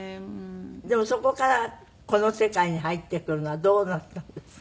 でもそこからこの世界に入ってくるのはどうなったんです？